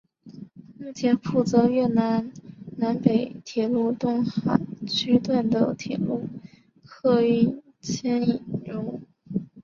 目前负责越南南北铁路洞海区段的铁路客货运牵引任务。